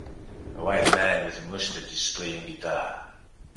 A white man with a mustache is playing guitar.